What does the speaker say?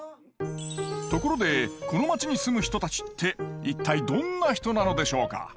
ところでこの町に住む人たちって一体どんな人なのでしょうか？